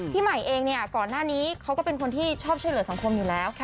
ใหม่เองเนี่ยก่อนหน้านี้เขาก็เป็นคนที่ชอบช่วยเหลือสังคมอยู่แล้ว